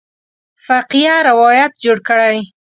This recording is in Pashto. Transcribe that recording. فقیه روایت جوړ کړی.